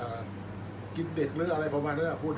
อันไหนที่มันไม่จริงแล้วอาจารย์อยากพูด